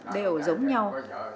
đều giống nhau